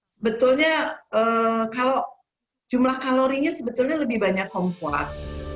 sebetulnya kalau jumlah kalorinya sebetulnya lebih banyak kompas